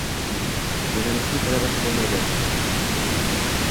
Jurnalistning talabasi bo`lmaydi